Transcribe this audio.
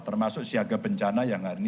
termasuk siaga bencana yang ada di bawah